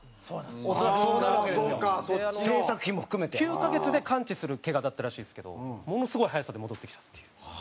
９カ月で完治するけがだったらしいですけどものすごい早さで戻ってきたっていう。